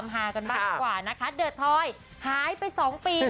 ทำความหากลายก่อนนะคะเด้อโทยหายไป๒ปี